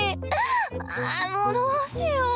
ああもうどうしよう！